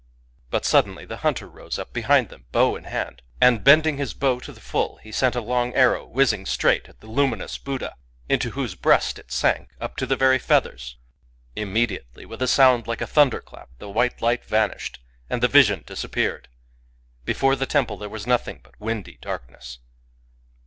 But suddenly the hunter rose up behind them, bow in hand ; and, bending his bow to the full, he sent a long arrow whizzing straight at the luminous Buddha, into whose breast it sank up to the very feathers. Immediately, with a sound like a thunder clap, the white light vanished, and the vision disap peared. Before the temple there was nothing but windy darkness.